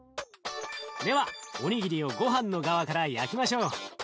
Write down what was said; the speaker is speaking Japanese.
ではおにぎりをごはんの側から焼きましょう。